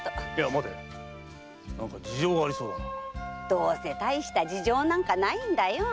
どうせたいした事情なんかないんだよ。